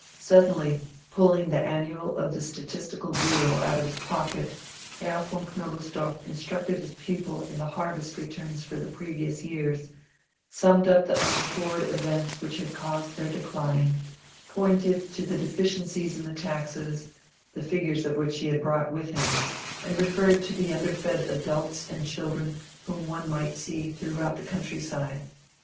Suddenly pulling the "Annual of the Statistical Bureau" out of his pocket, Herr von Knobelsdorff instructed his pupil in the harvest returns for the previous years, summed up the untoward events which had caused their decline, pointed to the deficiencies in the taxes, the figures of which he had brought with him, and referred to the underfed adults and children whom one might see throughout the country side.